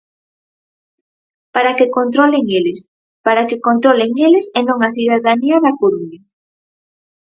Para que controlen eles, para que controlen eles e non a cidadanía da Coruña.